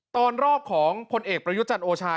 ตอนรอบของพลเอกประยุจันทร์โอชา